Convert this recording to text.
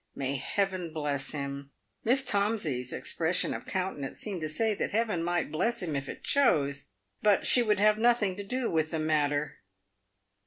May Heaven bless him !" Miss Tomsey's expression of countenance seemed to say that Heaven might bless him if it chose, but she would have nothing to do with the matter.